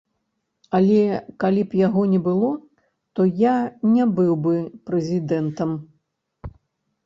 Але калі б яго не было, то я не быў бы прэзідэнтам!